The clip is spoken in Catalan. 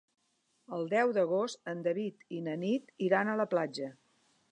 El deu d'agost en David i na Nit iran a la platja.